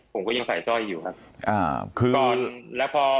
ผมก็ยังใส่สร้อยอยู่ครับ